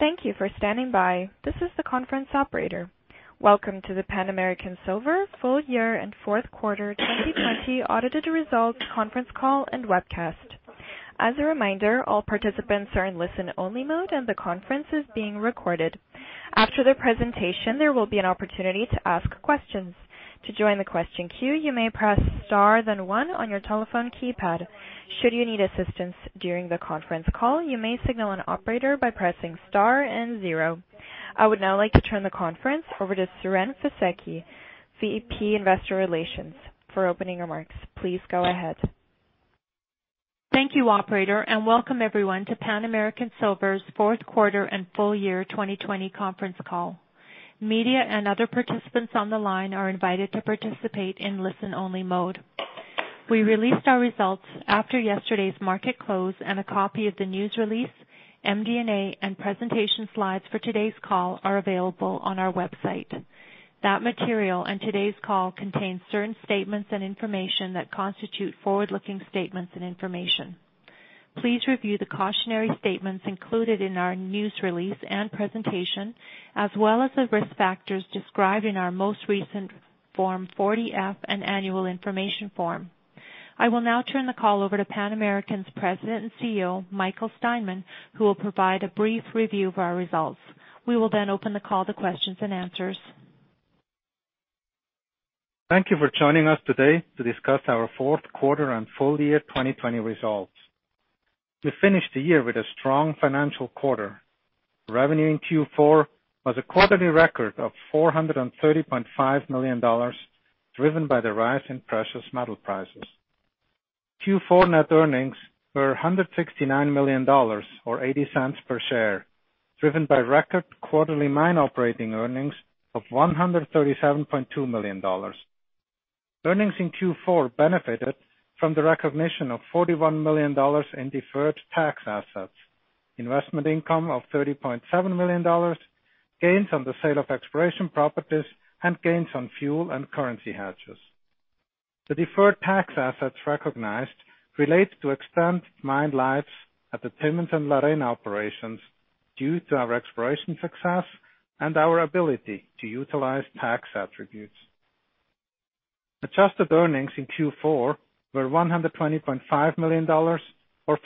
Thank you for standing by. This is the conference operator. Welcome to the Pan American Silver Full Year and Fourth Quarter 2020 Audited Results conference call and webcast. As a reminder, all participants are in listen-only mode and the conference is being recorded. After the presentation, there will be an opportunity to ask questions. To join the question queue, you may press star then one on your telephone keypad. Should you need assistance during the conference call, you may signal an operator by pressing star and zero. I would now like to turn the conference over to Siren Fisekci, VP Investor Relations, for opening remarks. Please go ahead. Thank you, Operator, and welcome everyone to Pan American Silver's fourth quarter and full year 2020 conference call. Media and other participants on the line are invited to participate in listen-only mode. We released our results after yesterday's market close, and a copy of the news release, MD&A, and presentation slides for today's call are available on our website. That material and today's call contain certain statements and information that constitute forward-looking statements and information. Please review the cautionary statements included in our news release and presentation, as well as the risk factors described in our most recent Form 40-F and Annual Information Form. I will now turn the call over to Pan American's President and CEO, Michael Steinmann, who will provide a brief review of our results. We will then open the call to questions and answers. Thank you for joining us today to discuss our fourth quarter and full year 2020 results. We finished the year with a strong financial quarter. Revenue in Q4 was a quarterly record of $430.5 million driven by the rise in precious metal prices. Q4 net earnings were $169 million or $0.80 per share, driven by record quarterly mine operating earnings of $137.2 million. Earnings in Q4 benefited from the recognition of $41 million in deferred tax assets, investment income of $30.7 million, gains on the sale of exploration properties, and gains on fuel and currency hedges. The deferred tax assets recognized relate to extended mine lives at the Timmins and La Arena operations due to our exploration success and our ability to utilize tax attributes. Adjusted earnings in Q4 were $120.5 million or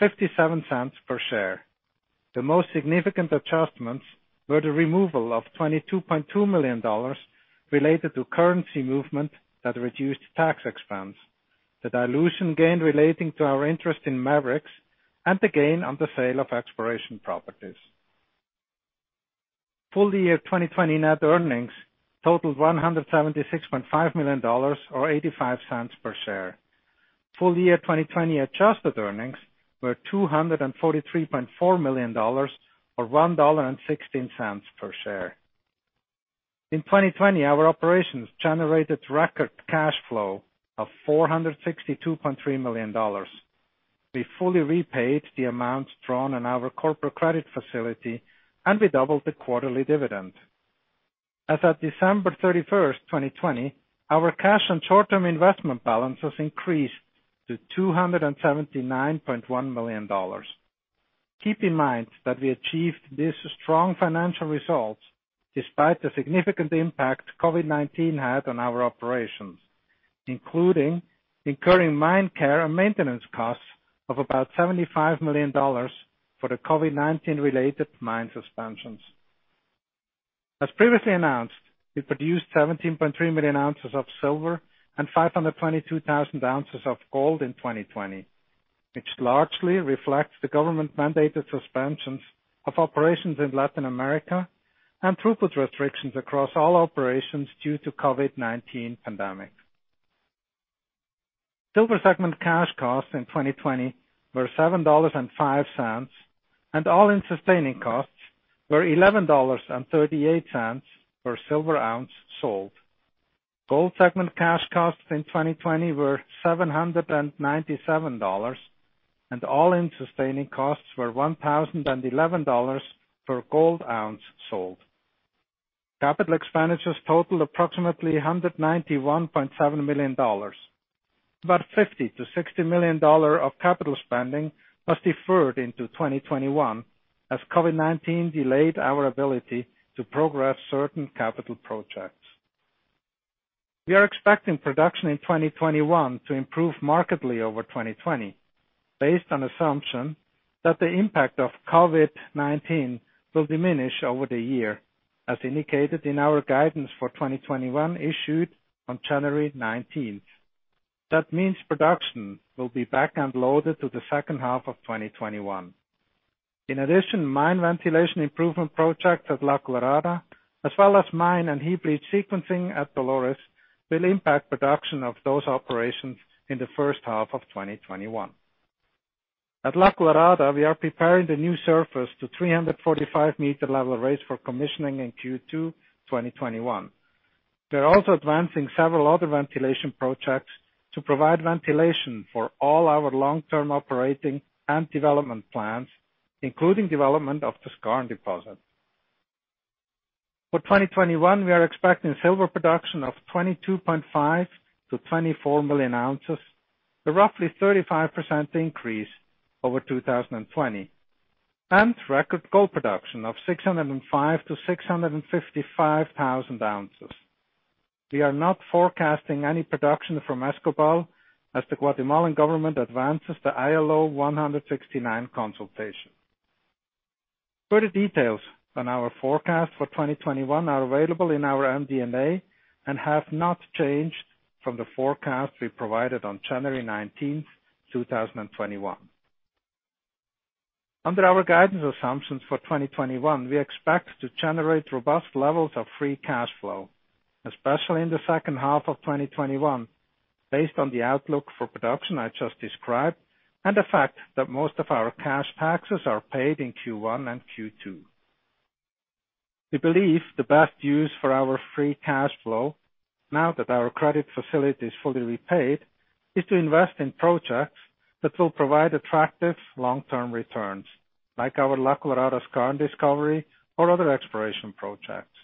$0.57 per share. The most significant adjustments were the removal of $22.2 million related to currency movement that reduced tax expense, the dilution gain relating to our interest in Maverix, and the gain on the sale of exploration properties. Full year 2020 net earnings totaled $176.5 million or $0.85 per share. Full year 2020 adjusted earnings were $243.4 million or $1.16 per share. In 2020, our operations generated record cash flow of $462.3 million. We fully repaid the amount drawn on our corporate credit facility, and we doubled the quarterly dividend. As of December 31st, 2020, our cash and short-term investment balances increased to $279.1 million. Keep in mind that we achieved these strong financial results despite the significant impact COVID-19 had on our operations, including incurring mine care and maintenance costs of about $75 million for the COVID-19 related mine suspensions. As previously announced, we produced 17.3 million ounces of silver and 522,000 ounces of gold in 2020, which largely reflects the government-mandated suspension of operations in Latin America and throughput restrictions across all operations due to the COVID-19 pandemic. Silver Segment cash costs in 2020 were $7.05, and all-in sustaining costs were $11.38 per silver ounce sold. Gold Segment cash costs in 2020 were $797, and all-in sustaining costs were $1,011 per gold ounce sold. Capital expenditures totaled approximately $191.7 million. About $50-$60 million of capital spending was deferred into 2021 as COVID-19 delayed our ability to progress certain capital projects. We are expecting production in 2021 to improve markedly over 2020, based on the assumption that the impact of COVID-19 will diminish over the year, as indicated in our guidance for 2021 issued on January 19th. That means production will be back-loaded to the second half of 2021. In addition, mine ventilation improvement projects at La Colorada, as well as mine and heap leach sequencing at Dolores, will impact production of those operations in the first half of 2021. At La Colorada, we are preparing the new surface to 345-meter level raises for commissioning in Q2 2021. We are also advancing several other ventilation projects to provide ventilation for all our long-term operating and development plans, including development of the skarn deposit. For 2021, we are expecting silver production of 22.5 to 24 million ounces, a roughly 35% increase over 2020, and record gold production of 605,000 to 655,000 ounces. We are not forecasting any production from Escobal as the Guatemalan government advances the ILO 169 consultation. Further details on our forecast for 2021 are available in our MD&A and have not changed from the forecast we provided on January 19th, 2021. Under our guidance assumptions for 2021, we expect to generate robust levels of free cash flow, especially in the second half of 2021, based on the outlook for production I just described and the fact that most of our cash taxes are paid in Q1 and Q2. We believe the best use for our free cash flow, now that our credit facility is fully repaid, is to invest in projects that will provide attractive long-term returns, like our La Colorada skarn discovery or other exploration projects.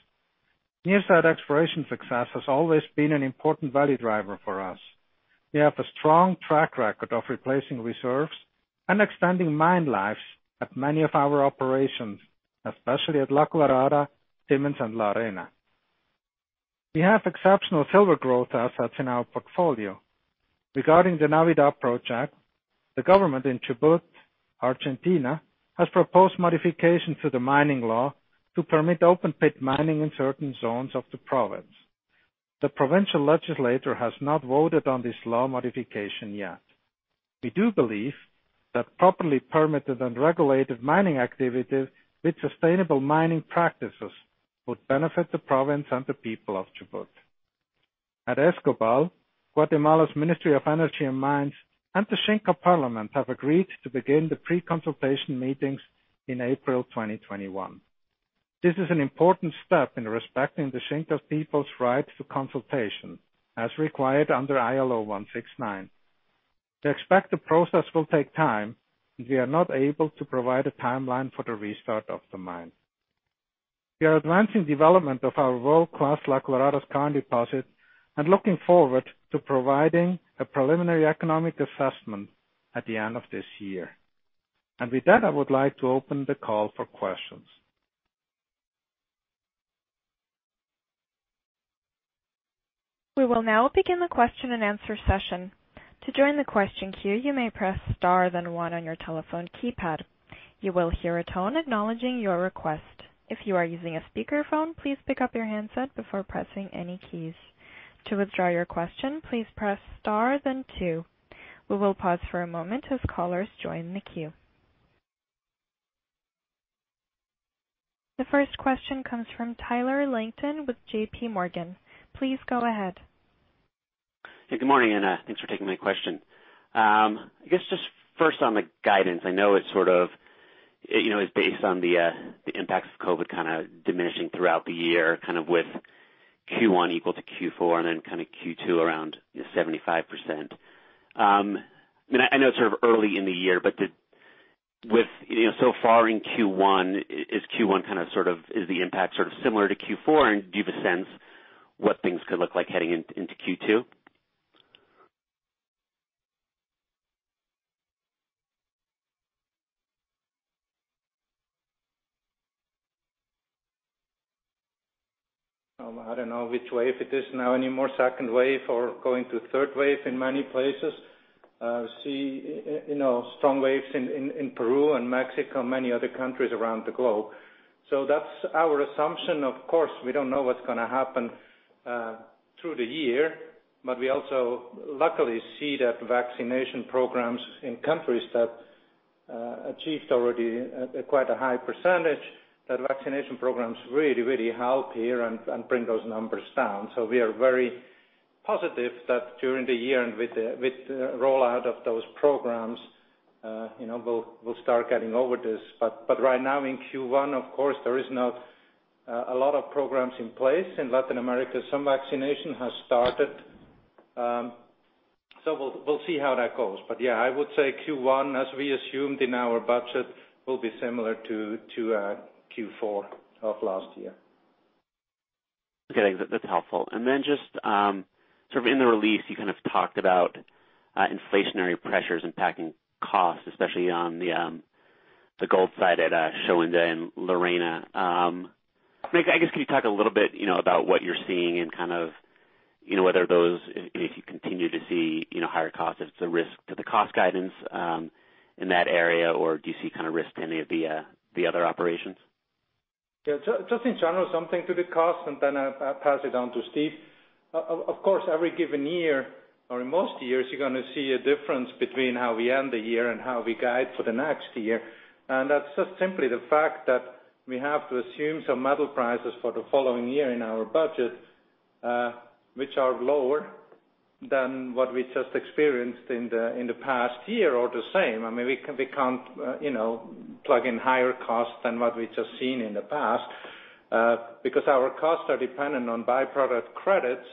Near-site exploration success has always been an important value driver for us. We have a strong track record of replacing reserves and extending mine lives at many of our operations, especially at La Colorada, Timmins, and La Arena. We have exceptional silver growth assets in our portfolio. Regarding the Navidad Project, the government in Chubut, Argentina, has proposed modifications to the mining law to permit open pit mining in certain zones of the province. The provincial legislature has not voted on this law modification yet. We do believe that properly permitted and regulated mining activity with sustainable mining practices would benefit the province and the people of Chubut. At Escobal, Guatemala's Ministry of Energy and Mines and the Xinka Parliament have agreed to begin the pre-consultation meetings in April 2021. This is an important step in respecting the Xinka people's right to consultation, as required under ILO 169. We expect the process will take time, and we are not able to provide a timeline for the restart of the mine. We are advancing the development of our world-class La Colorada skarn deposit and looking forward to providing a preliminary economic assessment at the end of this year, and with that, I would like to open the call for questions. We will now begin the question and answer session. To join the question queue, you may press star then one on your telephone keypad. You will hear a tone acknowledging your request. If you are using a speakerphone, please pick up your handset before pressing any keys. To withdraw your question, please press star then two. We will pause for a moment as callers join the queue. The first question comes from Tyler Langton with JPMorgan. Please go ahead. Good morning, and thanks for taking my question. I guess just first on the guidance, I know it's sort of based on the impacts of COVID kind of diminishing throughout the year, kind of with Q1 equal to Q4 and then kind of Q2 around 75%. I know it's sort of early in the year, but so far in Q1, is Q1 kind of sort of the impact sort of similar to Q4, and do you have a sense what things could look like heading into Q2? I don't know which wave it is now anymore, second wave or going to third wave in many places. I see strong waves in Peru and Mexico and many other countries around the globe. So that's our assumption. Of course, we don't know what's going to happen through the year, but we also luckily see that vaccination programs in countries that achieved already quite a high percentage, that vaccination programs really, really help here and bring those numbers down. So we are very positive that during the year and with the rollout of those programs, we'll start getting over this. But right now in Q1, of course, there is not a lot of programs in place. In Latin America, some vaccination has started. So we'll see how that goes. But yeah, I would say Q1, as we assumed in our budget, will be similar to Q4 of last year. Okay, that's helpful. And then just sort of in the release, you kind of talked about inflationary pressures impacting costs, especially on the gold side at Shahuindo and La Arena. I guess could you talk a little bit about what you're seeing and kind of whether those, if you continue to see higher costs, if it's a risk to the cost guidance in that area, or do you see kind of risk to any of the other operations? Yeah, just in general, something to the cost, and then I'll pass it on to Steve. Of course, every given year or in most years, you're going to see a difference between how we end the year and how we guide for the next year. And that's just simply the fact that we have to assume some metal prices for the following year in our budget, which are lower than what we just experienced in the past year or the same. I mean, we can't plug in higher costs than what we've just seen in the past because our costs are dependent on byproduct credits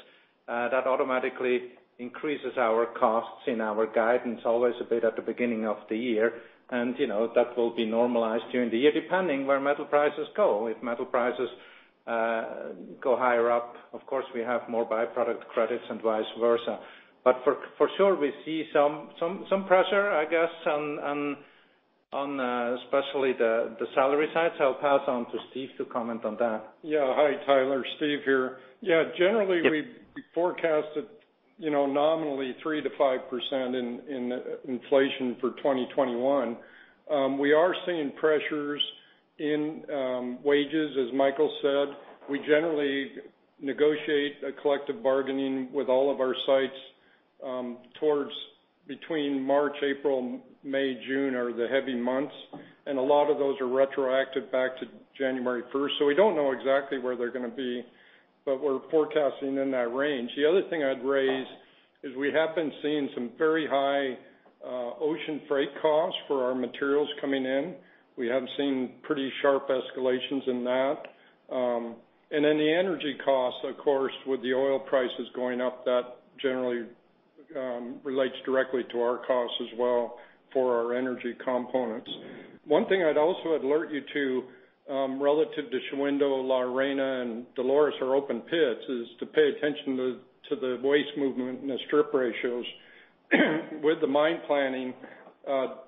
that automatically increases our costs in our guidance, always a bit at the beginning of the year. And that will be normalized during the year depending where metal prices go. If metal prices go higher up, of course, we have more byproduct credits and vice versa. But for sure, we see some pressure, I guess, especially the salary side. So I'll pass on to Steve to comment on that. Yeah, hi Tyler. Steve here. Yeah, generally, we forecasted nominally 3%-5% in inflation for 2021. We are seeing pressures in wages, as Michael said. We generally negotiate a collective bargaining with all of our sites towards between March, April, May, June are the heavy months, and a lot of those are retroactive back to January 1st. So we don't know exactly where they're going to be, but we're forecasting in that range. The other thing I'd raise is we have been seeing some very high ocean freight costs for our materials coming in. We have seen pretty sharp escalations in that. And then the energy costs, of course, with the oil prices going up, that generally relates directly to our costs as well for our energy components. One thing I'd also alert you to relative to Shahuindo, La Arena, and Dolores, which are open pits, is to pay attention to the waste movement and the strip ratios. With the mine planning,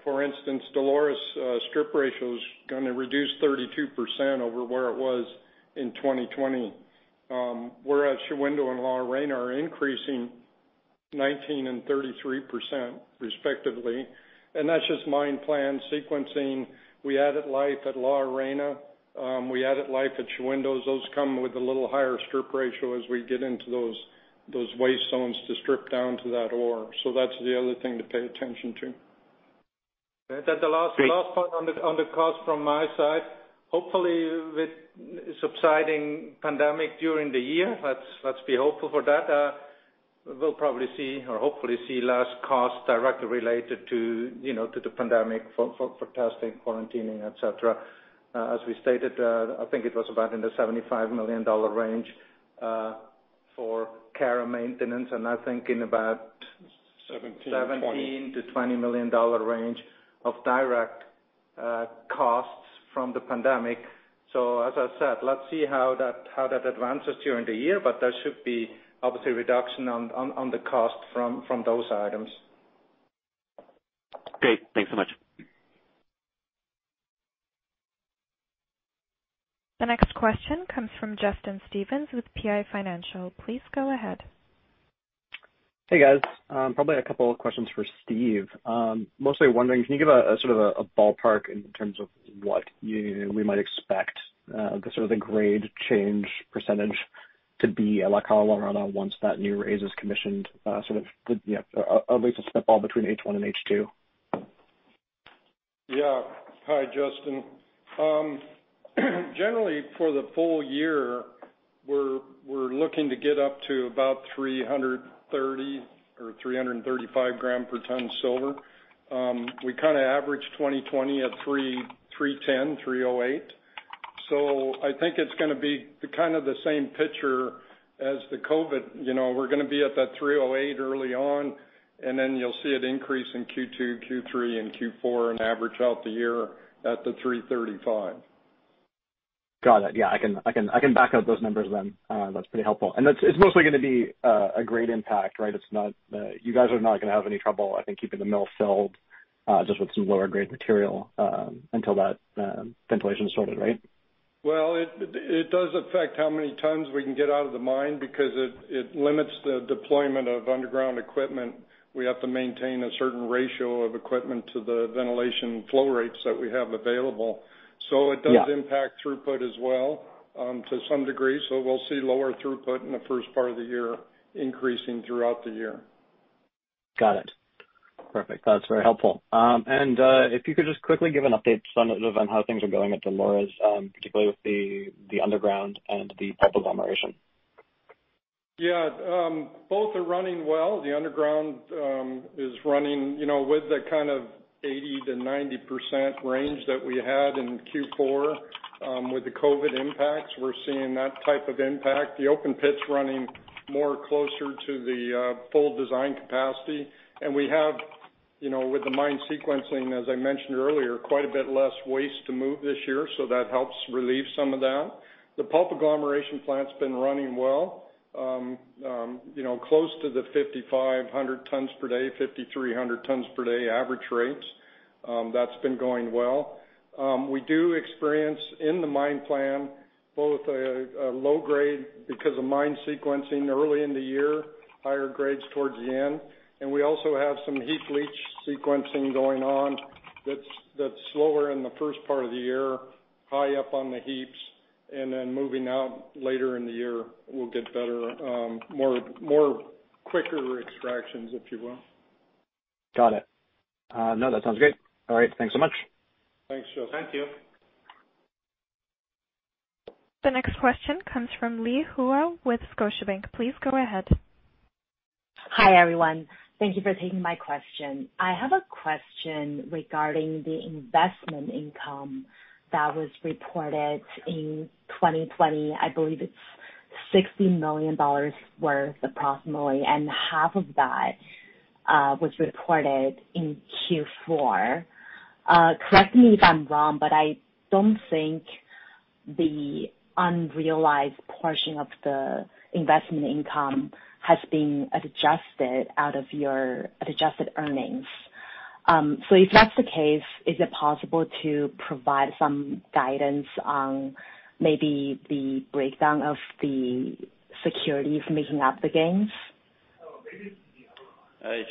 for instance, Dolores strip ratio is going to reduce 32% over where it was in 2020, whereas Shahuindo and La Arena are increasing 19% and 33% respectively. And that's just mine plan sequencing. We added life at La Arena. We added life at Shahuindo. Those come with a little higher strip ratio as we get into those waste zones to strip down to that ore. So that's the other thing to pay attention to. That's the last point on the cost from my side. Hopefully, with subsiding pandemic during the year, let's be hopeful for that. We'll probably see or hopefully see less costs directly related to the pandemic for testing, quarantining, etc. As we stated, I think it was about in the $75 million range for care and maintenance, and I think in about $17 million-$20 million range of direct costs from the pandemic. So as I said, let's see how that advances during the year, but there should be obviously a reduction on the cost from those items. Great. Thanks so much. The next question comes from Justin Stevens with PI Financial. Please go ahead. Hey guys, probably a couple of questions for Steve. Mostly wondering, can you give a sort of a ballpark in terms of what we might expect the sort of the grade change percentage to be at La Colorada once that new raise is commissioned, sort of at least a step all between H1 and H2? Yeah, hi Justin. Generally, for the full year, we're looking to get up to about 330 or 335 gram per ton silver. We kind of averaged 2020 at 310, 308. So I think it's going to be kind of the same picture as the COVID. We're going to be at that 308 early on, and then you'll see it increase in Q2, Q3, and Q4 and average out the year at the 335. Got it. Yeah, I can back up those numbers then. That's pretty helpful. And it's mostly going to be a grade impact, right? You guys are not going to have any trouble, I think, keeping the mill filled just with some lower grade material until that ventilation is sorted, right? It does affect how many tons we can get out of the mine because it limits the deployment of underground equipment. We have to maintain a certain ratio of equipment to the ventilation flow rates that we have available. So it does impact throughput as well to some degree. So we'll see lower throughput in the first part of the year, increasing throughout the year. Got it. Perfect. That's very helpful, and if you could just quickly give an update on how things are going at Dolores, particularly with the underground and the pulp agglomeration. Yeah, both are running well. The underground is running with the kind of 80%-90% range that we had in Q4. With the COVID impacts, we're seeing that type of impact. The open pit's running more closer to the full design capacity, and we have, with the mine sequencing, as I mentioned earlier, quite a bit less waste to move this year, so that helps relieve some of that. The pulp agglomeration plant's been running well, close to the 5,500 tons per day, 5,300 tons per day average rates. That's been going well. We do experience in the mine plan both a low grade because of mine sequencing early in the year, higher grades towards the end. We also have some heap leach sequencing going on that's slower in the first part of the year, high up on the heaps, and then moving out later in the year. We'll get better, more quicker extractions, if you will. Got it. No, that sounds great. All right, thanks so much. Thanks. Thank you. The next question comes from Li Hua with Scotiabank. Please go ahead. Hi everyone. Thank you for taking my question. I have a question regarding the investment income that was reported in 2020. I believe it's $60 million worth approximately, and half of that was reported in Q4. Correct me if I'm wrong, but I don't think the unrealized portion of the investment income has been adjusted out of your adjusted earnings. So if that's the case, is it possible to provide some guidance on maybe the breakdown of the securities making up the gains?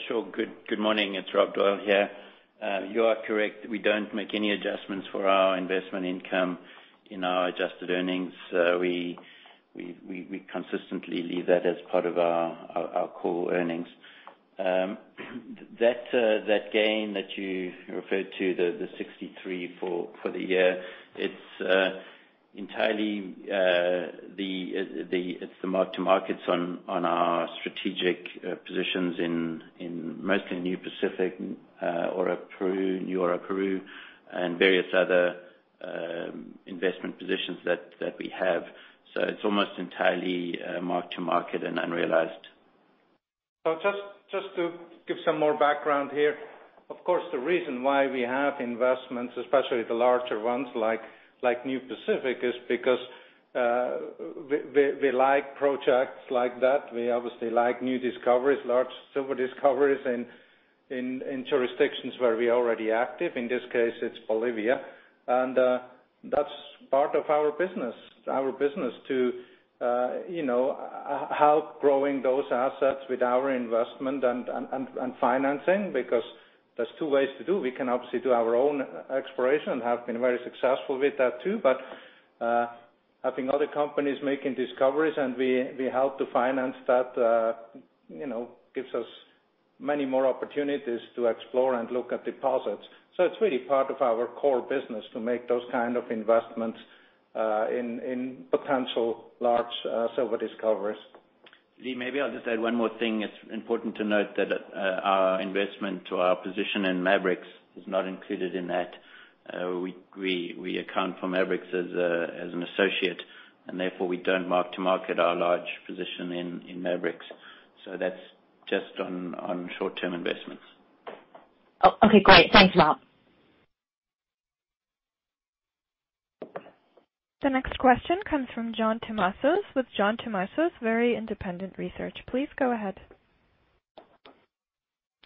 Sure. Good morning. It's Rob Doyle here. You are correct. We don't make any adjustments for our investment income in our adjusted earnings. We consistently leave that as part of our core earnings. That gain that you referred to, the 63 for the year, it's entirely the mark-to-markets on our strategic positions in mostly New Pacific, Peru, and various other investment positions that we have. So it's almost entirely mark-to-market and unrealized. Just to give some more background here, of course, the reason why we have investments, especially the larger ones like New Pacific, is because we like projects like that. We obviously like new discoveries, large silver discoveries in jurisdictions where we are already active. In this case, it's Bolivia. And that's part of our business, our business to help growing those assets with our investment and financing because there's two ways to do. We can obviously do our own exploration and have been very successful with that too, but having other companies making discoveries and we help to finance that gives us many more opportunities to explore and look at deposits. So it's really part of our core business to make those kind of investments in potential large silver discoveries. Li, maybe I'll just add one more thing. It's important to note that our investment to our position in Maverix is not included in that. We account for Maverix as an associate, and therefore we don't mark-to-market our large position in Maverix. So that's just on short-term investments. Okay, great. Thanks, Rob. The next question comes from John Tumazos with John Tumazos Very Independent Research. Please go ahead.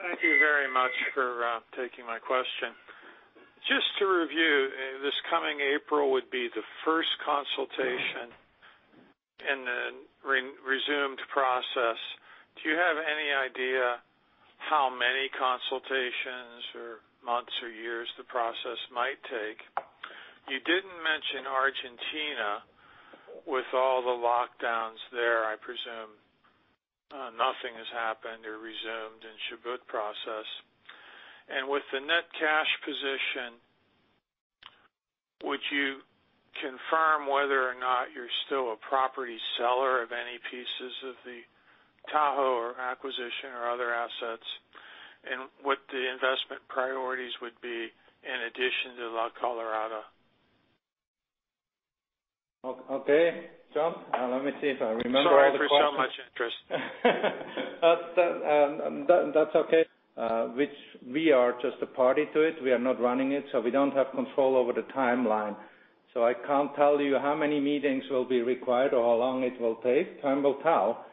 Thank you very much for taking my question. Just to review, this coming April would be the first consultation in the resumed process. Do you have any idea how many consultations or months or years the process might take? You didn't mention Argentina with all the lockdowns there. I presume nothing has happened or resumed in Chubut process. And with the net cash position, would you confirm whether or not you're still a property seller of any pieces of the Tahoe or acquisition or other assets and what the investment priorities would be in addition to La Colorada? Okay, John, let me see if I remember all the questions. Sorry for so much interest. That's okay. Which we are just a party to it. We are not running it, so we don't have control over the timeline. So I can't tell you how many meetings will be required or how long it will take. Time will tell.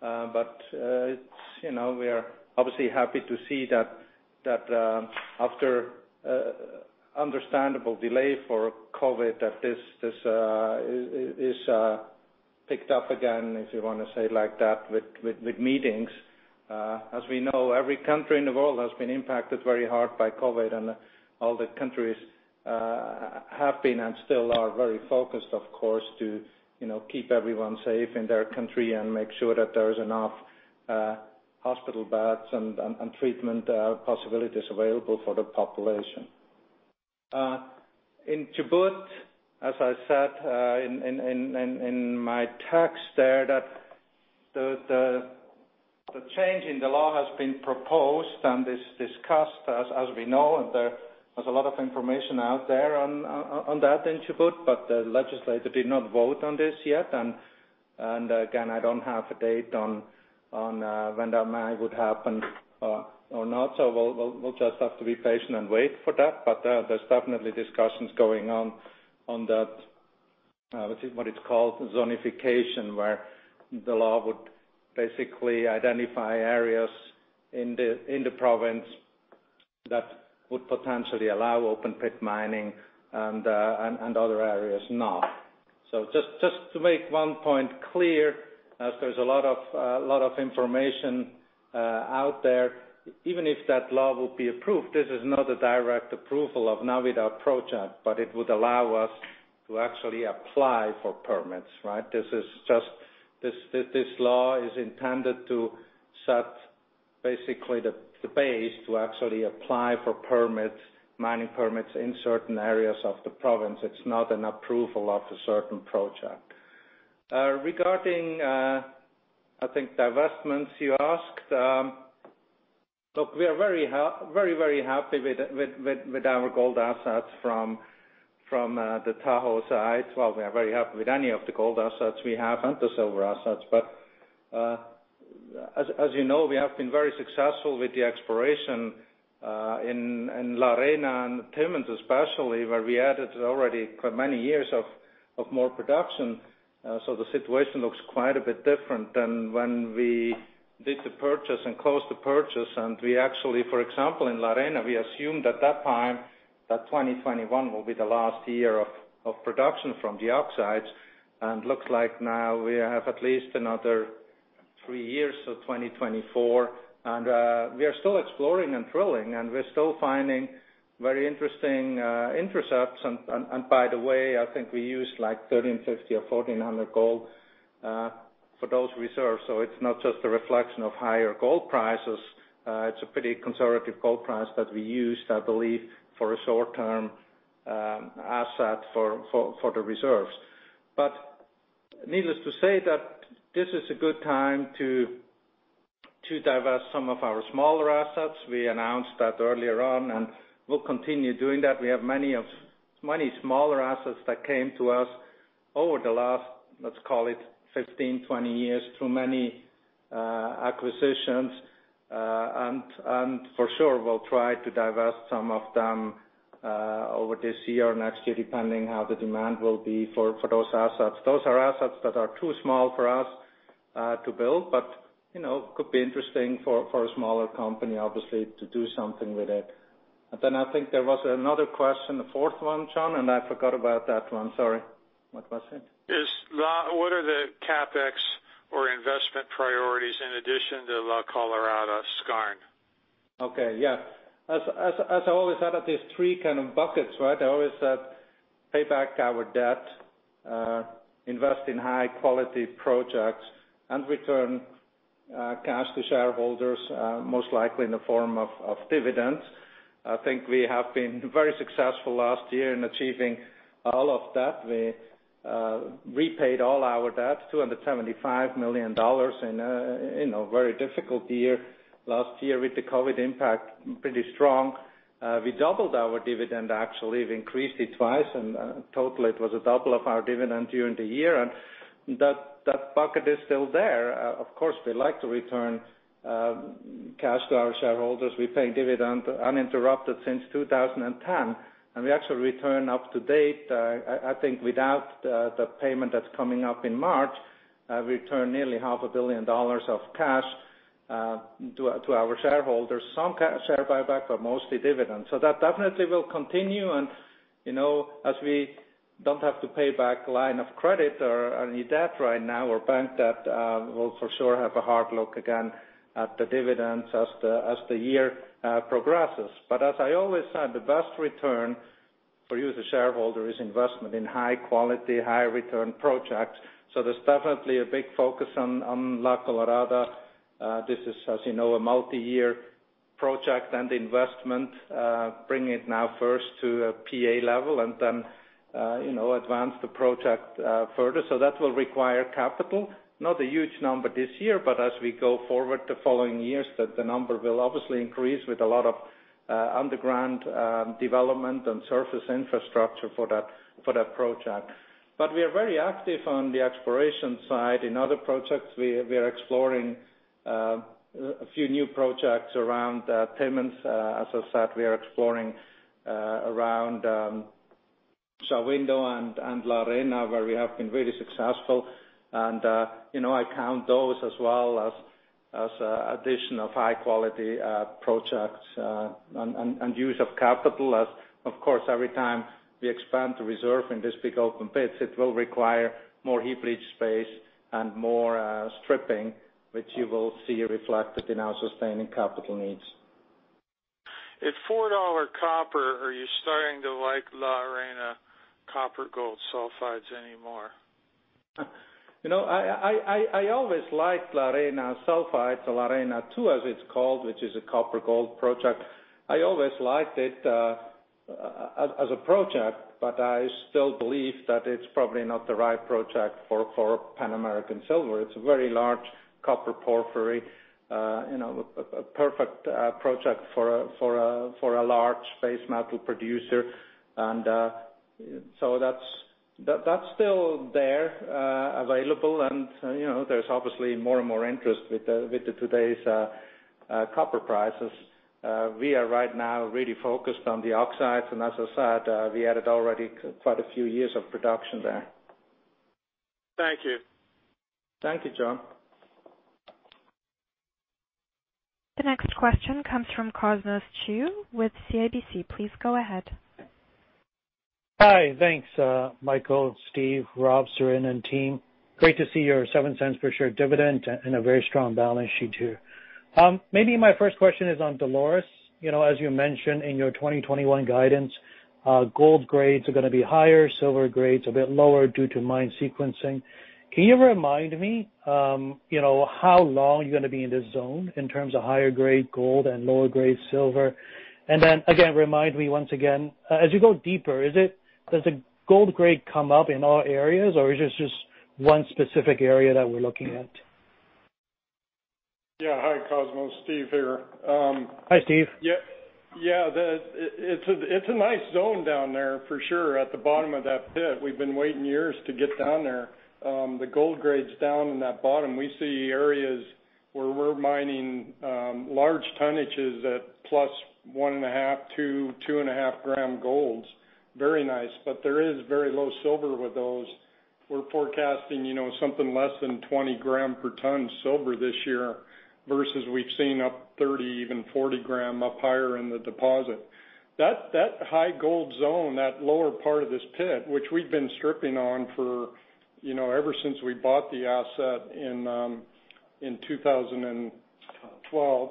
But we are obviously happy to see that after understandable delay for COVID, that this is picked up again, if you want to say it like that, with meetings. As we know, every country in the world has been impacted very hard by COVID, and all the countries have been and still are very focused, of course, to keep everyone safe in their country and make sure that there are enough hospital beds and treatment possibilities available for the population. In Chubut, as I said in my text there, that the change in the law has been proposed and discussed, as we know, and there was a lot of information out there on that in Chubut, but the legislator did not vote on this yet. Again, I don't have a date on when that might happen or not. So we'll just have to be patient and wait for that. But there's definitely discussions going on on that, what it's called, zonification, where the law would basically identify areas in the province that would potentially allow open pit mining and other areas not. So just to make one point clear, as there's a lot of information out there, even if that law would be approved, this is not a direct approval of Navidad Project, but it would allow us to actually apply for permits, right? This is just this law is intended to set basically the base to actually apply for permits, mining permits in certain areas of the province. It's not an approval of a certain project. Regarding, I think, divestments you asked, look, we are very, very happy with our gold assets from the Tahoe side, well, we are very happy with any of the gold assets we have and the silver assets. But as you know, we have been very successful with the exploration in La Arena and Timmins especially, where we added already for many years of more production, so the situation looks quite a bit different than when we did the purchase and closed the purchase, and we actually, for example, in La Arena, we assumed at that time that 2021 will be the last year of production from the oxides. And looks like now we have at least another three years, so 2024. And we are still exploring and drilling, and we're still finding very interesting intercepts. And by the way, I think we used like $1,350-$1,400 gold for those reserves. So it's not just a reflection of higher gold prices. It's a pretty conservative gold price that we used, I believe, for a short-term asset for the reserves. But needless to say, that this is a good time to divest some of our smaller assets. We announced that earlier on, and we'll continue doing that. We have many smaller assets that came to us over the last, let's call it, 15, 20 years through many acquisitions. And for sure, we'll try to divest some of them over this year or next year, depending on how the demand will be for those assets. Those are assets that are too small for us to build, but it could be interesting for a smaller company, obviously, to do something with it. And then I think there was another question, the fourth one, John, and I forgot about that one. Sorry, what was it? What are the CapEx or investment priorities in addition to La Colorada Skarn? Okay, yeah. As I always said, these three kind of buckets, right? I always said pay back our debt, invest in high-quality projects, and return cash to shareholders, most likely in the form of dividends. I think we have been very successful last year in achieving all of that. We repaid all our debt, $275 million in a very difficult year last year with the COVID impact, pretty strong. We doubled our dividend, actually. We increased it twice, and totally it was a double of our dividend during the year. And that bucket is still there. Of course, we'd like to return cash to our shareholders. We've paid dividend uninterrupted since 2010, and we actually returned up to date. I think without the payment that's coming up in March, we returned nearly $500 million of cash to our shareholders, some cash share buyback, but mostly dividends. That definitely will continue. We don't have to pay back line of credit or any debt right now, our bank debt. We'll for sure have a hard look again at the dividends as the year progresses. As I always said, the best return for you as a shareholder is investment in high-quality, high-return projects. There's definitely a big focus on La Colorada. This is, as you know, a multi-year project and investment, bringing it now first to a PEA level and then advance the project further. That will require capital, not a huge number this year, but as we go forward the following years, the number will obviously increase with a lot of underground development and surface infrastructure for that project. We are very active on the exploration side. In other projects, we are exploring a few new projects around Timmins. As I said, we are exploring around Shahuindo and La Arena, where we have been really successful. And I count those as well as addition of high-quality projects and use of capital. Of course, every time we expand the reserve in this big open pits, it will require more heap leach space and more stripping, which you will see reflected in our sustaining capital needs. If $4 copper, are you starting to like La Arena copper-gold sulfides anymore? I always liked La Arena Sulfides, La Arena II, as it's called, which is a copper-gold project. I always liked it as a project, but I still believe that it's probably not the right project for Pan American Silver. It's a very large copper porphyry, a perfect project for a large base metal producer. And so that's still there available, and there's obviously more and more interest with today's copper prices. We are right now really focused on the oxides, and as I said, we added already quite a few years of production there. Thank you. Thank you, John. The next question comes from Cosmos Chiu with CIBC. Please go ahead. Hi, thanks, Michael, Steve, Rob, Siren, and team. Great to see your $0.07 per share dividend and a very strong balance sheet here. Maybe my first question is on Dolores. As you mentioned in your 2021 guidance, gold grades are going to be higher, silver grades a bit lower due to mine sequencing. Can you remind me how long you're going to be in this zone in terms of higher grade gold and lower grade silver? And then again, remind me once again, as you go deeper, does the gold grade come up in all areas, or is this just one specific area that we're looking at? Yeah, hi, Cosmos. Steve here. Hi, Steve. Yeah, it's a nice zone down there for sure at the bottom of that pit. We've been waiting years to get down there. The gold grades down in that bottom, we see areas where we're mining large tonnages at plus one and a half, two, two and a half grams gold. Very nice, but there is very low silver with those. We're forecasting something less than 20 grams per ton silver this year versus we've seen up 30, even 40 gram up higher in the deposit. That high gold zone, that lower part of this pit, which we've been stripping to ever since we bought the asset in 2012,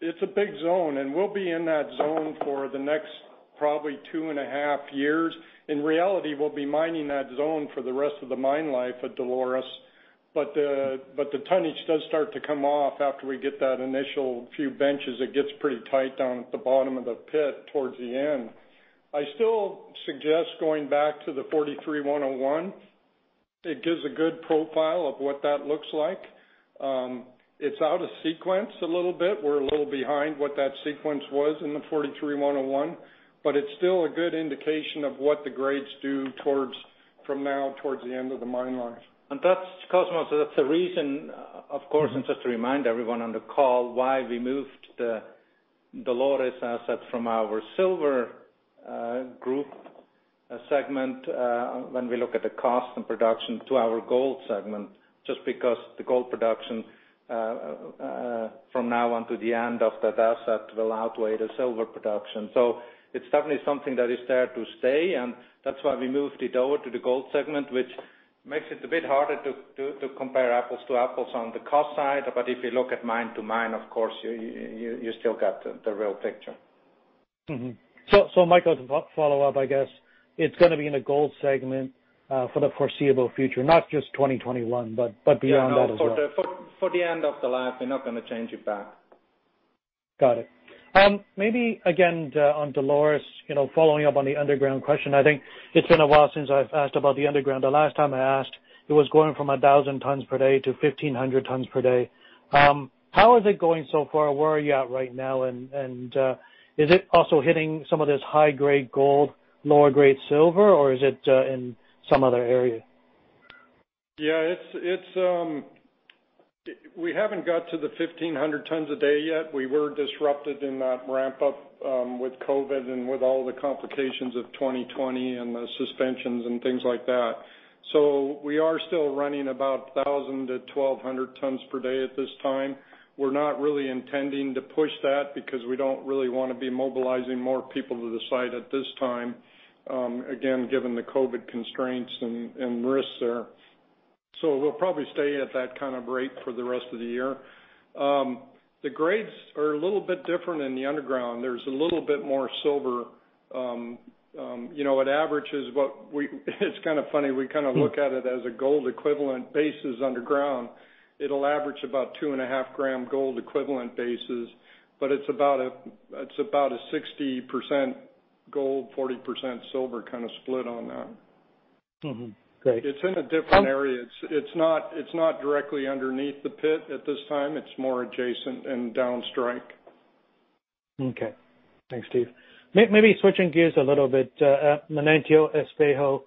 it's a big zone, and we'll be in that zone for the next probably two and a half years. In reality, we'll be mining that zone for the rest of the mine life at Dolores. But the tonnage does start to come off after we get that initial few benches. It gets pretty tight down at the bottom of the pit towards the end. I still suggest going back to the 43-101. It gives a good profile of what that looks like. It's out of sequence a little bit. We're a little behind what that sequence was in the 43-101, but it's still a good indication of what the grades do from now towards the end of the mine life. Cosmos, that's the reason, of course, and just to remind everyone on the call why we moved the Dolores asset from our Silver group Segment when we look at the cost and production to our Gold Segment, just because the gold production from now on to the end of that asset will outweigh the silver production. So it's definitely something that is there to stay, and that's why we moved it over to the Gold Segment, which makes it a bit harder to compare apples to apples on the cost side. But if you look at mine to mine, of course, you still get the real picture. Michael, to follow up, I guess, it's going to be in the Gold Segment for the foreseeable future, not just 2021, but beyond that as well. Yeah, for the end of the life, we're not going to change it back. Got it. Maybe again on Dolores, following up on the underground question, I think it's been a while since I've asked about the underground. The last time I asked, it was going from 1,000 tons per day to 1,500 tons per day. How is it going so far? Where are you at right now? And is it also hitting some of this high-grade gold, lower-grade silver, or is it in some other area? Yeah, we haven't got to the 1,500 tons a day yet. We were disrupted in that ramp-up with COVID and with all the complications of 2020 and the suspensions and things like that. So we are still running about 1,000 to 1,200 tons per day at this time. We're not really intending to push that because we don't really want to be mobilizing more people to the site at this time, again, given the COVID constraints and risks there. So we'll probably stay at that kind of rate for the rest of the year. The grades are a little bit different in the underground. There's a little bit more silver. It averages what it's kind of funny. We kind of look at it as a gold equivalent basis underground. It'll average about two and a half gram gold equivalent basis, but it's about a 60% gold, 40% silver kind of split on that. It's in a different area. It's not directly underneath the pit at this time. It's more adjacent and downstrike. Okay, thanks, Steve. Maybe switching gears a little bit, Manantial Espejo,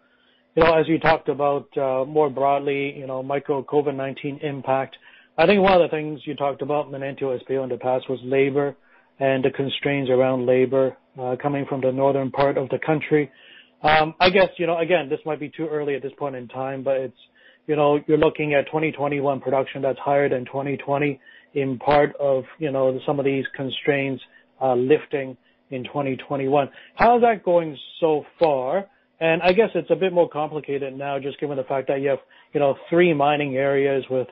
as you talked about more broadly, Michael, COVID-19 impact. I think one of the things you talked about, Manantial Espejo, in the past was labor and the constraints around labor coming from the northern part of the country. I guess, again, this might be too early at this point in time, but you're looking at 2021 production that's higher than 2020 in part of some of these constraints lifting in 2021. How's that going so far? And I guess it's a bit more complicated now, just given the fact that you have three mining areas with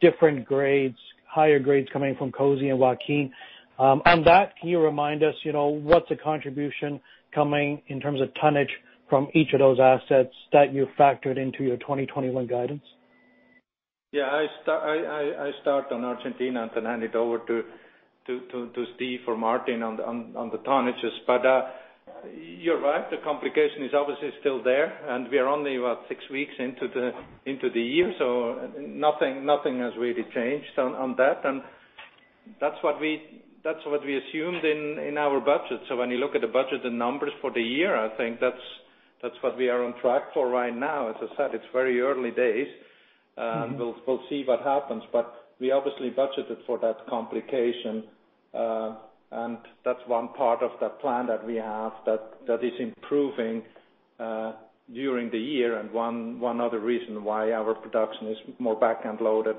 different grades, higher grades coming from COSE and Joaquin. On that, can you remind us what's the contribution coming in terms of tonnage from each of those assets that you factored into your 2021 guidance? Yeah, I start on Argentina and then hand it over to Steve or Martin on the tonnages. But you're right. The complication is obviously still there, and we are only about six weeks into the year, so nothing has really changed on that. And that's what we assumed in our budget. So when you look at the budget and numbers for the year, I think that's what we are on track for right now. As I said, it's very early days, and we'll see what happens. But we obviously budgeted for that complication, and that's one part of the plan that we have that is improving during the year and one other reason why our production is more back-end loaded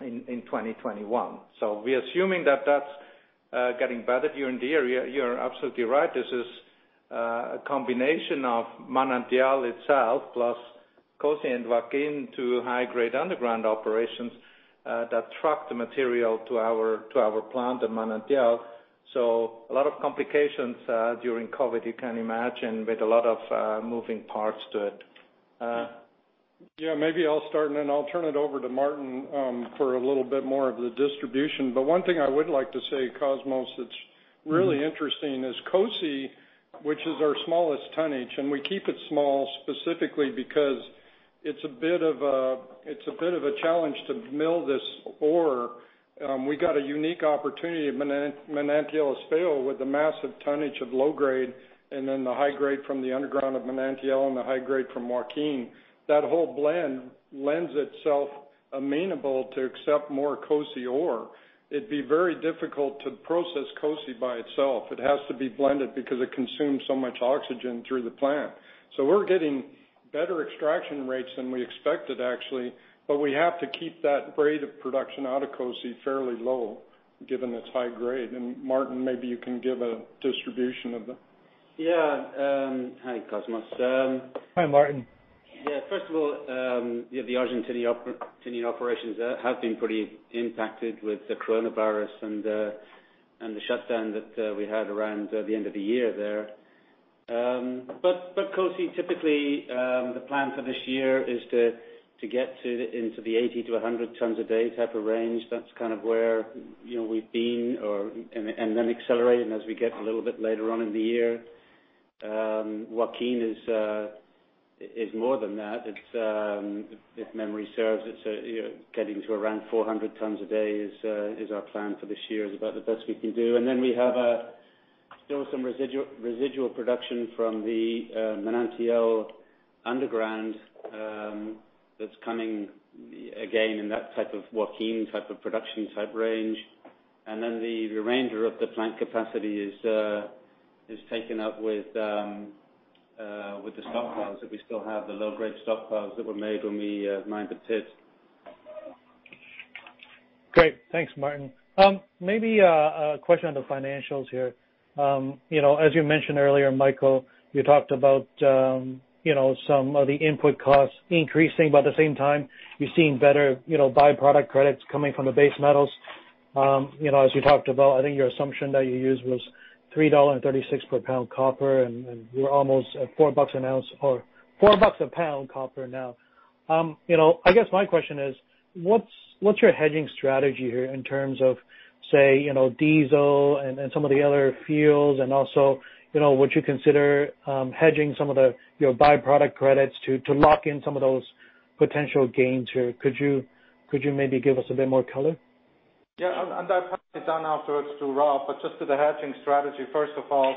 in 2021. So we're assuming that that's getting better year in the year. You're absolutely right. This is a combination of Manantial itself, plus COSE and Joaquin to high-grade underground operations that truck the material to our plant in Manantial, so a lot of complications during COVID, you can imagine, with a lot of moving parts to it. Yeah, maybe I'll start, and then I'll turn it over to Martin for a little bit more of the distribution. But one thing I would like to say, Cosmos, that's really interesting is COSE, which is our smallest tonnage, and we keep it small specifically because it's a bit of a challenge to mill this ore. We got a unique opportunity, Manantial Espejo, with the massive tonnage of low grade and then the high grade from the underground of Manantial and the high grade from Joaquin. That whole blend lends itself amenable to accept more COSE ore. It'd be very difficult to process COSE by itself. It has to be blended because it consumes so much oxygen through the plant. So we're getting better extraction rates than we expected, actually, but we have to keep that grade of production out of COSE fairly low, given its high grade. Martin, maybe you can give a distribution of that. Yeah, hi, Cosmos. Hi, Martin. Yeah, first of all, the Argentine operations have been pretty impacted with the coronavirus and the shutdown that we had around the end of the year there. But COSE, typically, the plan for this year is to get into the 80-100 tons a day type of range. That's kind of where we've been and then accelerating as we get a little bit later on in the year. Joaquin is more than that. If memory serves, getting to around 400 tons a day is our plan for this year. It's about the best we can do. And then we have still some residual production from the Manantial underground that's coming again in that type of Joaquin type of production type range. The remainder of the plant capacity is taken up with the stockpiles that we still have, the low-grade stockpiles that were made when we mined the pit. Great, thanks, Martin. Maybe a question on the financials here. As you mentioned earlier, Michael, you talked about some of the input costs increasing, but at the same time, you're seeing better byproduct credits coming from the base metals. As you talked about, I think your assumption that you used was $3.36 per pound copper, and we're almost at $4 an ounce or $4 a pound copper now. I guess my question is, what's your hedging strategy here in terms of, say, diesel and some of the other fuels? And also, would you consider hedging some of your byproduct credits to lock in some of those potential gains here? Could you maybe give us a bit more color? Yeah, and I'll pass it down afterwards to Rob. But just to the hedging strategy, first of all,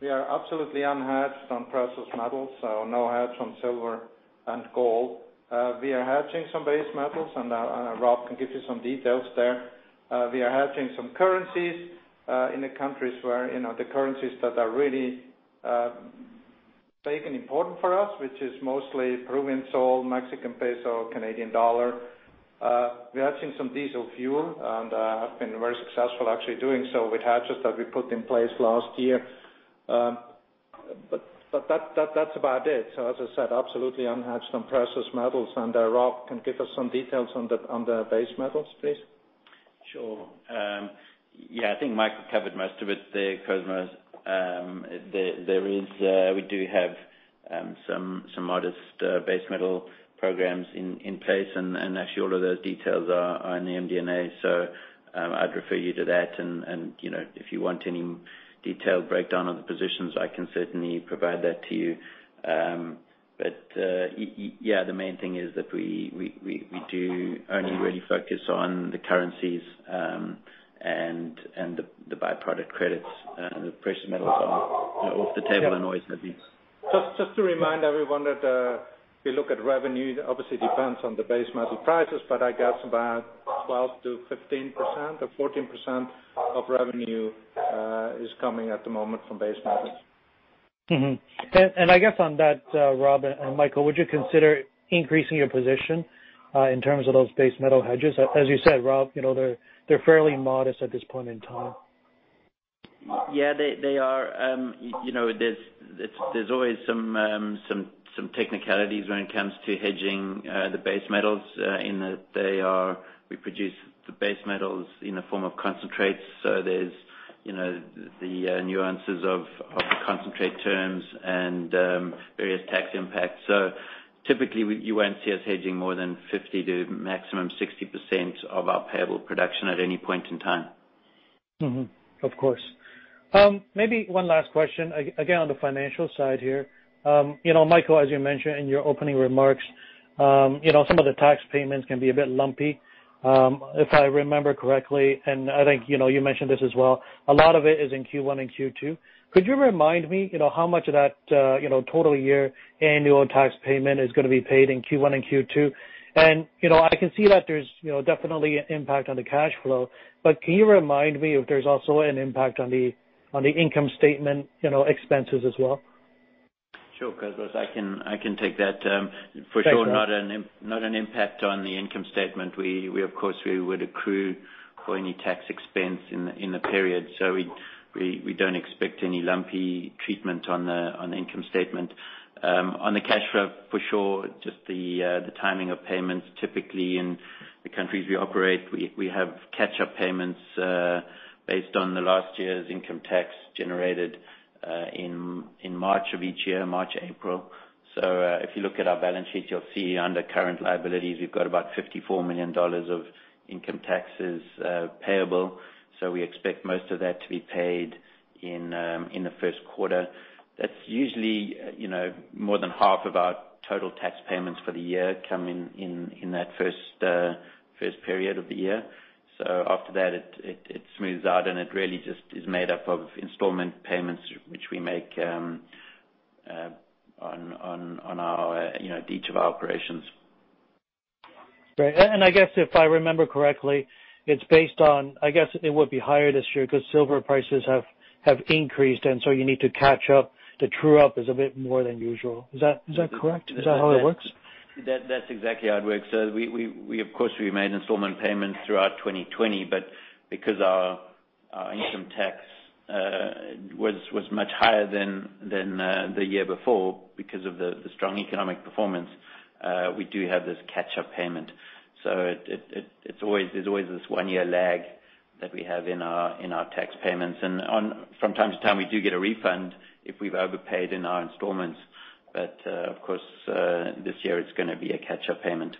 we are absolutely unhedged on precious metals, so no hedge on silver and gold. We are hedging some base metals, and Rob can give you some details there. We are hedging some currencies in the countries where the currencies that are really big and important for us, which is mostly Peruvian Sol, Mexican Peso, Canadian Dollar. We're hedging some diesel fuel and have been very successful actually doing so with hedges that we put in place last year. But that's about it. So as I said, absolutely unhedged on precious metals. And Rob, can you give us some details on the base metals, please? Sure. Yeah, I think Michael covered most of it there, Cosmos. We do have some modest base metal programs in place, and actually all of those details are in the MD&A. So I'd refer you to that. And if you want any detailed breakdown of the positions, I can certainly provide that to you. But yeah, the main thing is that we do only really focus on the currencies and the byproduct credits. The precious metals are off the table and always going to be. Just to remind everyone that we look at revenue. Obviously, it depends on the base metal prices, but I guess about 12%-15% or 14% of revenue is coming at the moment from base metals. I guess on that, Rob and Michael, would you consider increasing your position in terms of those base metal hedges? As you said, Rob, they're fairly modest at this point in time. Yeah, they are. There's always some technicalities when it comes to hedging the base metals in that we produce the base metals in the form of concentrates. So there's the nuances of the concentrate terms and various tax impacts. So typically, you won't see us hedging more than 50% to maximum 60% of our payable production at any point in time. Of course. Maybe one last question, again, on the financial side here. Michael, as you mentioned in your opening remarks, some of the tax payments can be a bit lumpy. If I remember correctly, and I think you mentioned this as well, a lot of it is in Q1 and Q2. Could you remind me how much of that total year annual tax payment is going to be paid in Q1 and Q2? And I can see that there's definitely an impact on the cash flow. But can you remind me if there's also an impact on the income statement expenses as well? Sure, Cosmos. I can take that. For sure, not an impact on the income statement. We, of course, would accrue for any tax expense in the period. So we don't expect any lumpy treatment on the income statement. On the cash flow, for sure, just the timing of payments. Typically, in the countries we operate, we have catch-up payments based on the last year's income tax generated in March of each year, March, April. So if you look at our balance sheet, you'll see under current liabilities, we've got about $54 million of income taxes payable. So we expect most of that to be paid in the first quarter. That's usually more than half of our total tax payments for the year come in that first period of the year. So after that, it smooths out, and it really just is made up of installment payments, which we make on each of our operations. Great. And I guess if I remember correctly, it's based on, I guess it would be higher this year because silver prices have increased, and so you need to catch up. The true up is a bit more than usual. Is that correct? Is that how it works? That's exactly how it works, so we, of course, we made installment payments throughout 2020, but because our income tax was much higher than the year before because of the strong economic performance, we do have this catch-up payment, so there's always this one-year lag that we have in our tax payments, and from time to time, we do get a refund if we've overpaid in our installments, but of course, this year, it's going to be a catch-up payment.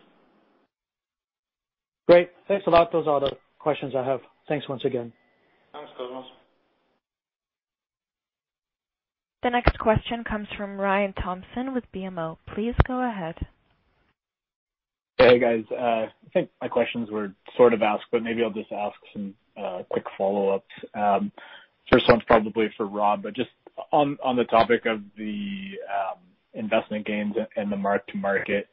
Great. Thanks a lot. Those are the questions I have. Thanks once again. Thanks, Cosmos. The next question comes from Ryan Thompson with BMO. Please go ahead. Hey, guys. I think my questions were sort of asked, but maybe I'll just ask some quick follow-ups. First one's probably for Rob, but just on the topic of the investment gains and the mark-to-market,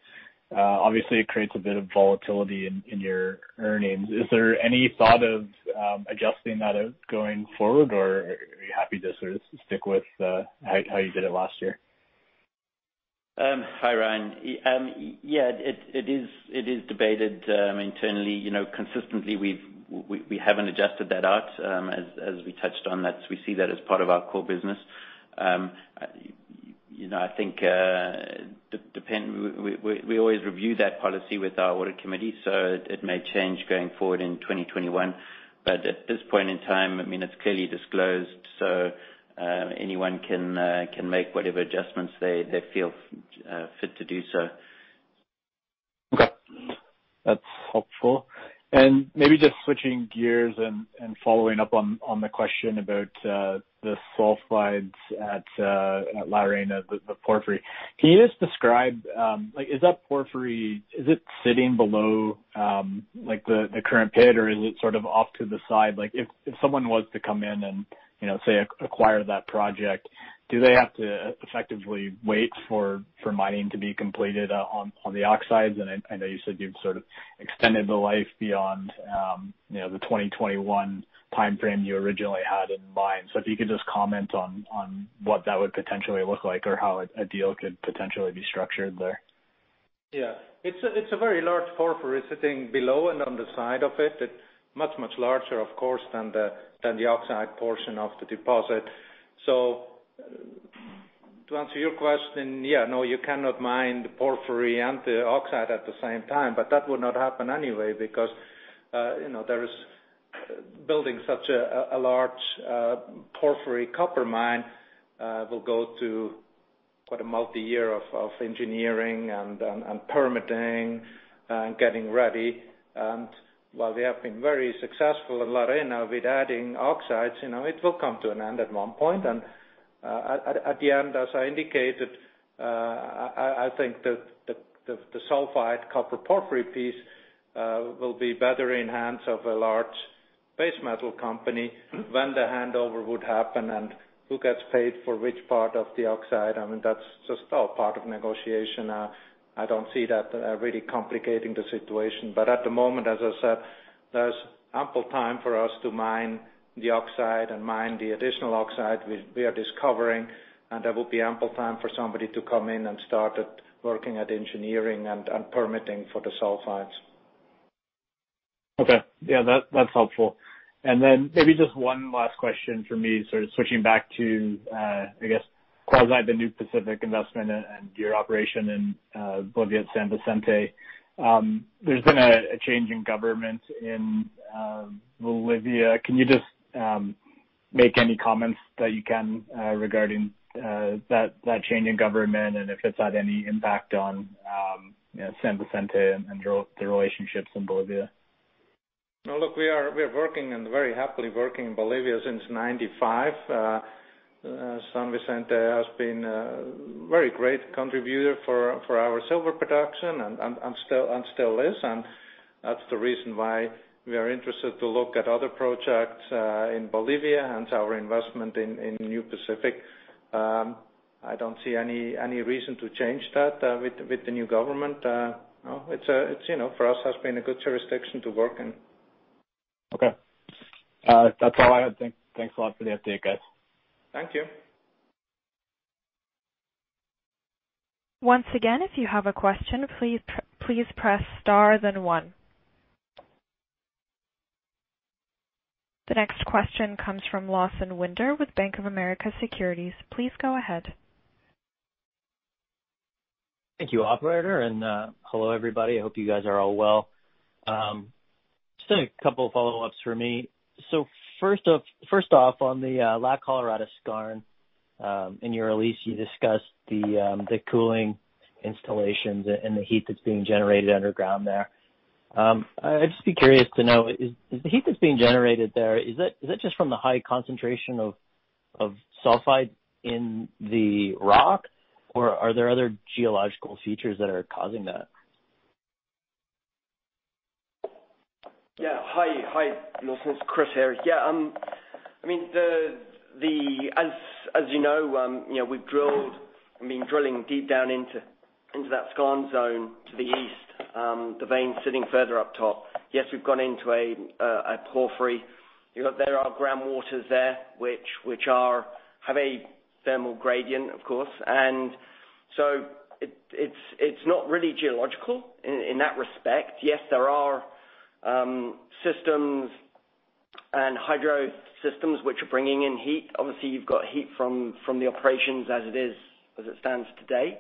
obviously, it creates a bit of volatility in your earnings. Is there any thought of adjusting that going forward, or are you happy to sort of stick with how you did it last year? Hi, Ryan. Yeah, it is debated internally. Consistently, we haven't adjusted that out. As we touched on, we see that as part of our core business. I think we always review that policy with our audit committee, so it may change going forward in 2021. But at this point in time, I mean, it's clearly disclosed, so anyone can make whatever adjustments they feel fit to do so. Okay. That's helpful. Maybe just switching gears and following up on the question about the sulfides at La Arena of the porphyry, can you just describe is that porphyry, is it sitting below the current pit, or is it sort of off to the side? If someone was to come in and, say, acquire that project, do they have to effectively wait for mining to be completed on the oxides? And I know you said you've sort of extended the life beyond the 2021 timeframe you originally had in mind. So if you could just comment on what that would potentially look like or how a deal could potentially be structured there. Yeah. It's a very large porphyry sitting below and on the side of it. It's much, much larger, of course, than the oxide portion of the deposit. So to answer your question, yeah, no, you cannot mine the porphyry and the oxide at the same time. But that would not happen anyway because building such a large porphyry copper mine will go to quite a multi-year of engineering and permitting and getting ready. And while they have been very successful at La Arena with adding oxides, it will come to an end at one point. And at the end, as I indicated, I think the sulfide copper porphyry piece will be better in hands of a large base metal company when the handover would happen and who gets paid for which part of the oxide. I mean, that's just all part of negotiation. I don't see that really complicating the situation. But at the moment, as I said, there's ample time for us to mine the oxide and mine the additional oxide we are discovering. And there will be ample time for somebody to come in and start working at engineering and permitting for the sulfides. Okay. Yeah, that's helpful. And then maybe just one last question for me, sort of switching back to, I guess, quasi the New Pacific Investment and your operation in Bolivia and San Vicente. There's been a change in government in Bolivia. Can you just make any comments that you can regarding that change in government and if it's had any impact on San Vicente and the relationships in Bolivia? Look, we are working and very happily working in Bolivia since 1995. San Vicente has been a very great contributor for our silver production and still is. That's the reason why we are interested to look at other projects in Bolivia and our investment in New Pacific. I don't see any reason to change that with the new government. It, for us, has been a good jurisdiction to work in. Okay. That's all I had. Thanks a lot for the update, guys. Thank you. Once again, if you have a question, please press star, then one. The next question comes from Lawson Winder with Bank of America Securities. Please go ahead. Thank you, Operator, and hello, everybody. I hope you guys are all well. Just a couple of follow-ups for me. So first off, on the La Colorada Skarn, in your release, you discussed the cooling installations and the heat that's being generated underground there. I'd just be curious to know, is the heat that's being generated there, is that just from the high concentration of sulfide in the rock, or are there other geological features that are causing that? Yeah. Hi, Lawson. Chris here. Yeah. I mean, as you know, we've drilled and been drilling deep down into that skarn zone to the east, the vein sitting further up top. Yes, we've gone into a porphyry. There are groundwaters there which have a thermal gradient, of course. And so it's not really geological in that respect. Yes, there are systems and hydro systems which are bringing in heat. Obviously, you've got heat from the operations as it stands today.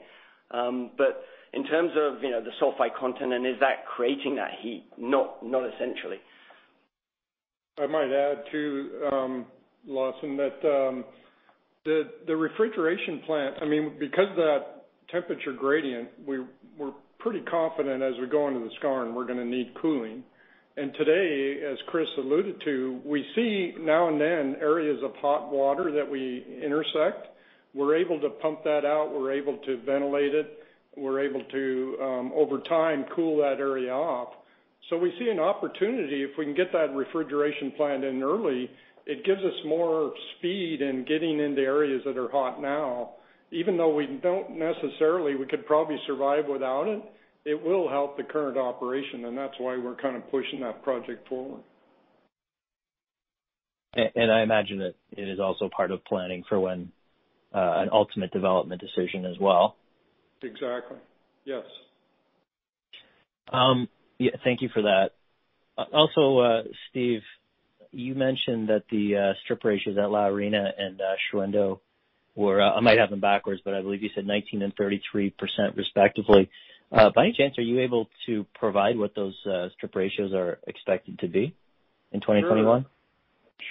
But in terms of the sulfide content, and is that creating that heat? Not essentially. I might add too, Lawson, that the refrigeration plant, I mean, because of that temperature gradient, we're pretty confident as we go into the skarn, we're going to need cooling. Today, as Chris alluded to, we see now and then areas of hot water that we intersect. We're able to pump that out. We're able to ventilate it. We're able to, over time, cool that area off. So we see an opportunity if we can get that refrigeration plant in early. It gives us more speed in getting into areas that are hot now. Even though we don't necessarily, we could probably survive without it, it will help the current operation. That's why we're kind of pushing that project forward. I imagine that it is also part of planning for an ultimate development decision as well. Exactly. Yes. Thank you for that. Also, Steve, you mentioned that the strip ratios at La Arena and Shahuindo were, I might have them backwards, but I believe you said 19% and 33% respectively. By any chance, are you able to provide what those strip ratios are expected to be in 2021? Sure.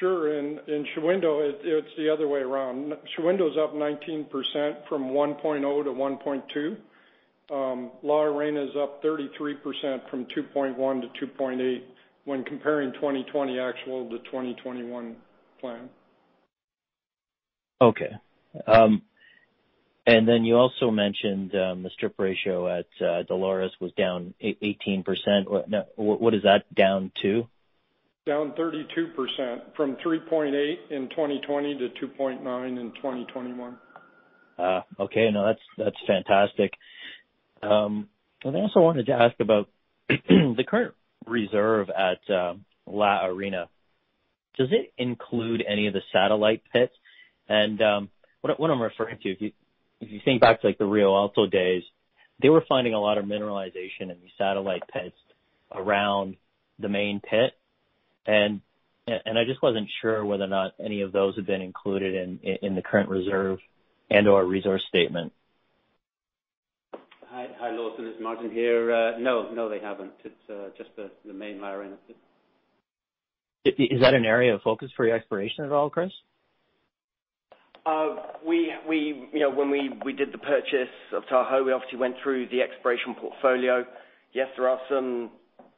In Shahuindo, it's the other way around. Shahuindo's up 19% from 1.0 to 1.2. La Arena's up 33% from 2.1 to 2.8 when comparing 2020 actual to 2021 plan. Okay, and then you also mentioned the strip ratio at Dolores was down 18%. What is that down to? Down 32% from 3.8 in 2020 to 2.9 in 2021. Okay. No, that's fantastic. I also wanted to ask about the current reserve at La Arena. Does it include any of the satellite pits? What I'm referring to, if you think back to the Rio Alto days, they were finding a lot of mineralization in the satellite pits around the main pit. I just wasn't sure whether or not any of those have been included in the current reserve and/or resource statement. Hi, Lawson. It's Martin here. No, no, they haven't. It's just the main La Arena. Is that an area of focus for your exploration at all, Chris? When we did the purchase of Tahoe, we obviously went through the exploration portfolio. Yes, there are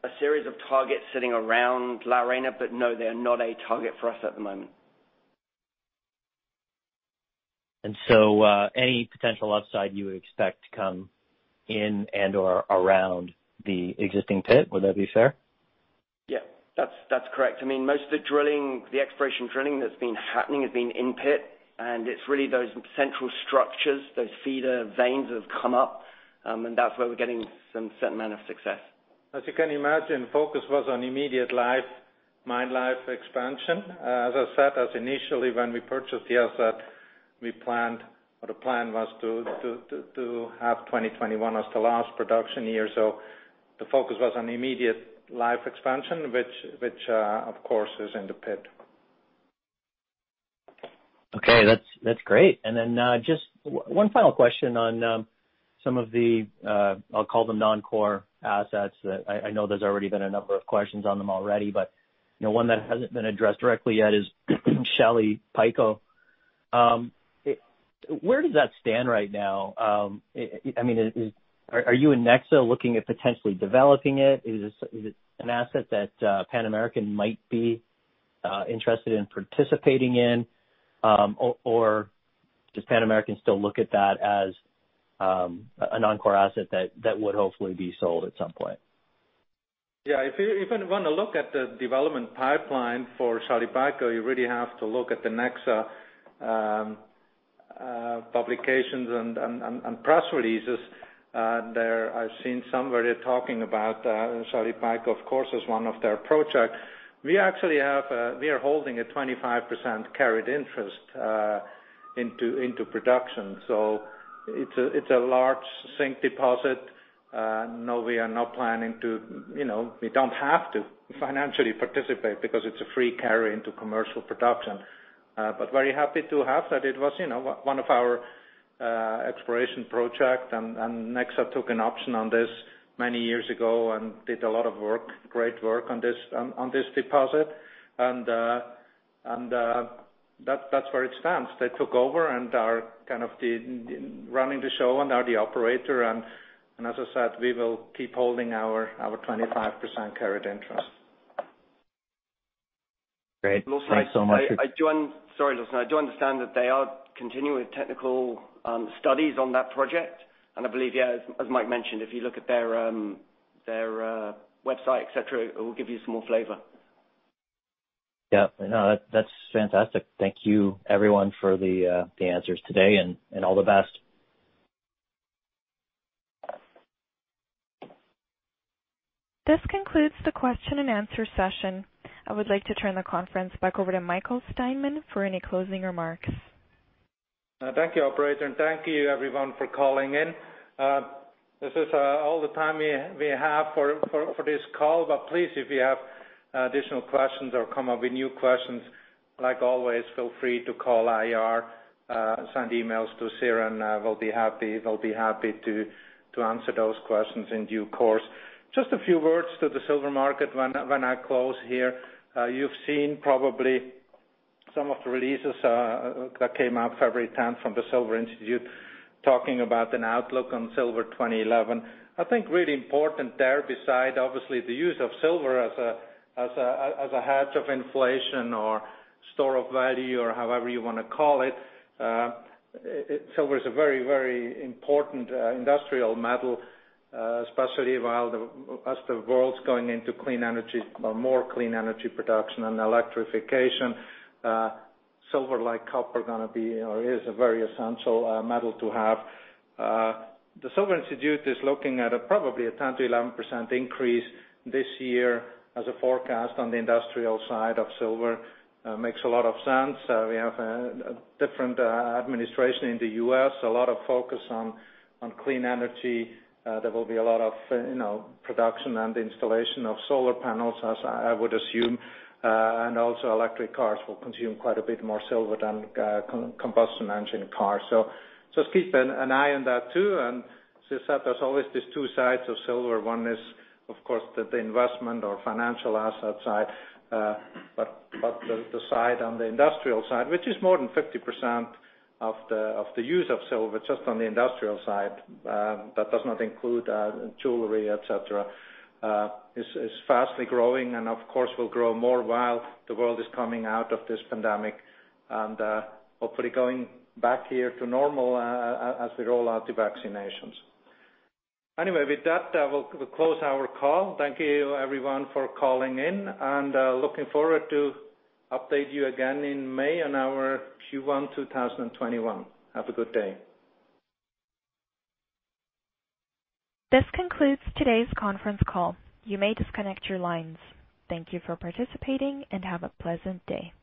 a series of targets sitting around La Arena, but no, they are not a target for us at the moment. And so any potential upside you would expect to come in and/or around the existing pit, would that be fair? Yeah. That's correct. I mean, most of the exploration drilling that's been happening has been in pit. And it's really those central structures, those feeder veins that have come up. And that's where we're getting some certain amount of success. As you can imagine, focus was on immediate mine life expansion. As I said, initially, when we purchased the asset, the plan was to have 2021 as the last production year. So the focus was on immediate life expansion, which, of course, is in the pit. Okay. That's great. And then just one final question on some of the, I'll call them, non-core assets. I know there's already been a number of questions on them already, but one that hasn't been addressed directly yet is Shalipayco. Where does that stand right now? I mean, are you in Nexa looking at potentially developing it? Is it an asset that Pan American might be interested in participating in? Or does Pan American still look at that as a non-core asset that would hopefully be sold at some point? Yeah. If you want to look at the development pipeline for Shalipayco, you really have to look at the Nexa publications and press releases there. I've seen somebody talking about Shalipayco, of course, as one of their projects. We actually are holding a 25% carried interest into production. So it's a large zinc deposit. No, we are not planning to. We don't have to financially participate because it's a free carry into commercial production. But very happy to have that. It was one of our exploration projects. And Nexa took an option on this many years ago and did a lot of work, great work on this deposit. And that's where it stands. They took over and are kind of running the show and are the operator. And as I said, we will keep holding our 25% carried interest. Great. Thanks so much. Sorry, Lawson. I do understand that they are continuing with technical studies on that project. And I believe, yeah, as Mike mentioned, if you look at their website, etc., it will give you some more flavor. Yeah. No, that's fantastic. Thank you, everyone, for the answers today and all the best. This concludes the question and answer session. I would like to turn the conference back over to Michael Steinmann for any closing remarks. Thank you, Operator. And thank you, everyone, for calling in. This is all the time we have for this call. But please, if you have additional questions or come up with new questions, like always, feel free to call IR, send emails to Siren, and they'll be happy to answer those questions in due course. Just a few words to the silver market when I close here. You've seen probably some of the releases that came out February 10th from the Silver Institute talking about an outlook on silver 2011. I think really important there, besides, obviously, the use of silver as a hedge of inflation or store of value or however you want to call it, silver is a very, very important industrial metal, especially as the world's going into clean energy or more clean energy production and electrification. Silver, like copper, is a very essential metal to have. The Silver Institute is looking at probably a 10%-11% increase this year as a forecast on the industrial side of silver. Makes a lot of sense. We have a different administration in the U.S., a lot of focus on clean energy. There will be a lot of production and installation of solar panels, as I would assume, and also electric cars will consume quite a bit more silver than combustion engine cars. So just keep an eye on that too. And as I said, there's always these two sides of silver. One is, of course, the investment or financial asset side, but the side on the industrial side, which is more than 50% of the use of silver, just on the industrial side. That does not include jewelry, etc., is fast growing and, of course, will grow more while the world is coming out of this pandemic and hopefully going back here to normal as we roll out the vaccinations. Anyway, with that, we'll close our call. Thank you, everyone, for calling in. And looking forward to update you again in May on our Q1 2021. Have a good day. This concludes today's conference call. You may disconnect your lines. Thank you for participating and have a pleasant day.